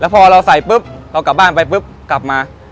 พอเราใส่ปุ๊บเรากลับบ้านไปปุ๊บกลับมา